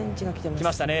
きましたね。